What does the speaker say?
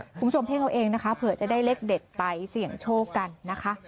คุณผู้ชมเพ่งเอาเองนะคะเผื่อจะได้เลขเด็ดไปเสี่ยงโชคกันนะคะ